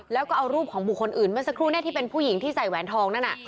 แล้วก็เอารูปของบุคคลอื่นเมื่อสักครู่ที่เป็นผู้หญิงที่ใส่แหวนทองนั่นน่ะ